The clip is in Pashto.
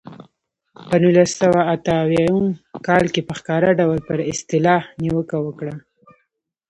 په نولس سوه اته اویا کال کې په ښکاره ډول پر اصطلاح نیوکه وکړه.